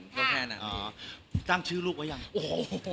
ตั้งชื่อลูกไว้ยัง